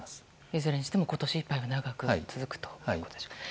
いずれにしても今年いっぱいは長く続くということでしょうか。